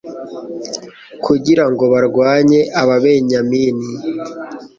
kugira ngo barwanye ababenyamini